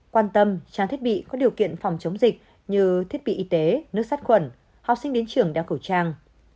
quan tâm trang thiết bị có điều kiện phòng chống dịch như thiết bị y tế nước sát khuẩn học sinh đến trường đeo khẩu trang